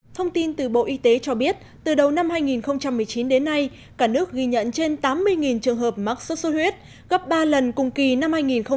thông tin từ bộ y tế cho biết từ đầu năm hai nghìn một mươi chín đến nay cả nước ghi nhận trên tám mươi trường hợp mắc sốt xuất huyết gấp ba lần cùng kỳ năm hai nghìn một mươi tám